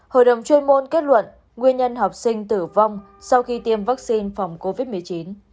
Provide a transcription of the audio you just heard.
hội đồng chuyên môn kết luận nguyên nhân học sinh tử vong sau khi tiêm vaccine phòng covid một mươi chín